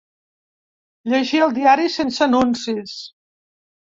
Llegir el diari sense anuncis.